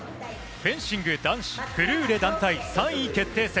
フェンシング男子フルーレ団体３位決定戦。